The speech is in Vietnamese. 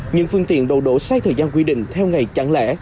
những phương tiện đổ đổ sai thời gian quy định theo ngày chẳng lẽ